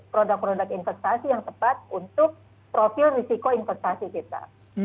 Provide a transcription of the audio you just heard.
produk produk investasi yang tepat untuk profil risiko investasi kita